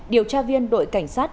điều tra viên đội cảnh sát